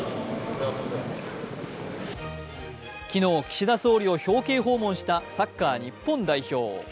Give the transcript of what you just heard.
昨日、岸田総理を表敬訪問したサッカー日本代表。